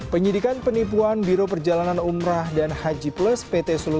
penyidikan penipuan biro perjalanan umrah dan haji plus pt solo